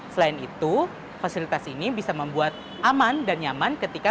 selain itu fasilitas ini bisa membuat aman dan nyaman ketika